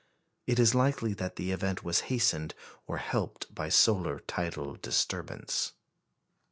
It is likely that the event was hastened or helped by solar tidal disturbance.